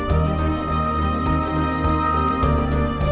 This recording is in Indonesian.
kau mau apa nak kentang